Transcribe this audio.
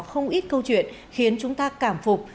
không ít câu chuyện khiến chúng ta cảm phục